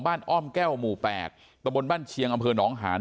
อ้อมแก้วหมู่๘ตะบนบ้านเชียงอำเภอหนองหาน